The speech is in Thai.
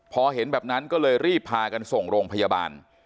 พอเห็นแบบนั้นก็เลยรีบพากันส่งโรงพยาบาล